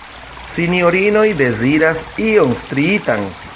Sinjorinoj deziras ion striitan!